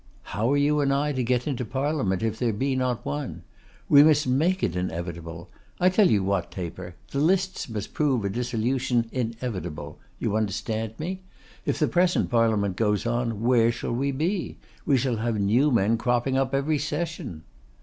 'How are you and I to get into Parliament if there be not one? We must make it inevitable. I tell you what, Taper, the lists must prove a dissolution inevitable. You understand me? If the present Parliament goes on, where shall we be? We shall have new men cropping up every session.